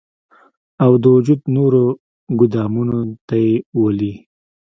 او د وجود نورو ګودامونو ته ئې ولي